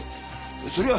そりゃ